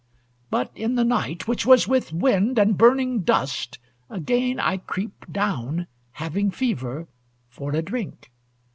"But in the night, which was with wind And burning dust, again I creep Down, having fever, for a drink.